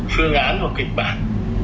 phương án và kịch bản